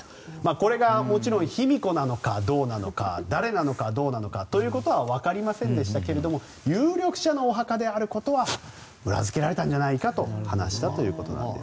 これがもちろん卑弥呼なのか誰なのかは分かりませんでしたが有力者のお墓であることは裏付けられたんじゃないかと話したということです。